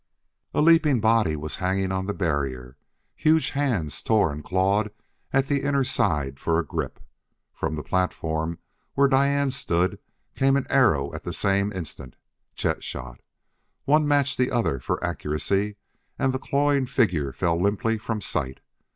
A leaping body was hanging on the barrier; huge hands tore and clawed at the inner side for a grip. From the platform where Diane stood came an arrow at the same instant Chet shot. One matched the other for accuracy, and the clawing figure fell limply from sight.